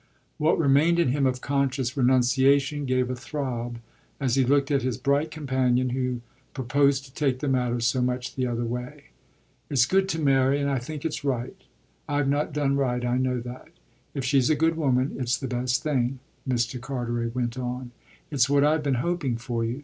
What remained in him of conscious renunciation gave a throb as he looked at his bright companion, who proposed to take the matter so much the other way. "It's good to marry and I think it's right. I've not done right, I know that. If she's a good woman it's the best thing," Mr. Carteret went on. "It's what I've been hoping for you.